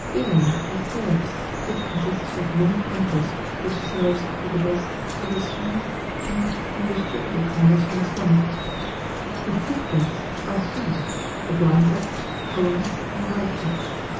Ilion the third, which consists of many crinkles, which serves with the rest to receive, keep, and distribute the chylus from the stomach. The thick guts are three, the blind gut, colon, and right gut.